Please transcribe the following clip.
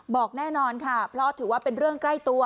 บอกแน่นอนค่ะเพราะถือว่าเป็นเรื่องใกล้ตัว